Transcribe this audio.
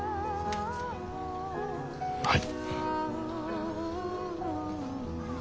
はい。